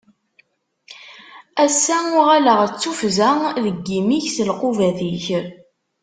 Ass-a uɣaleɣ d tufza deg imi-k s lqubat-ik.